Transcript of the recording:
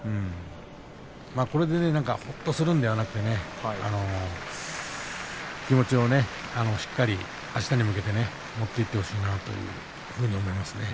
これでねほっとするんじゃなくてね気持ちをしっかりあしたに向けて持っていってほしいなというふうに思いますね。